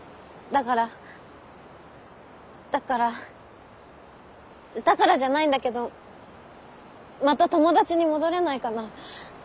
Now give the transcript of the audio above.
だからだからだからじゃないんだけどまた友達に戻れないかな？